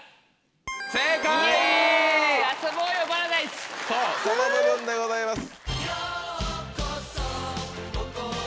そうその部分でございます。